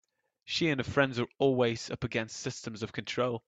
She and her friends are always up against systems of control.